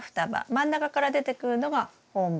真ん中から出てくるのが本葉。